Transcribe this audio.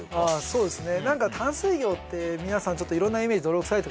そうですね